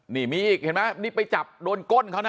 นี่มีอีกเห็นไหมนี่ไปจับโดนก้นเขานะ